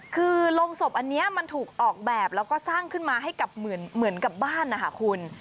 คือโรงศพอันนี้มันถูกออกแบบแล้วก็สร้างขึ้นมาให้กับเหมือนกับบ้านนะคะคุณ